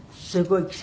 すごい。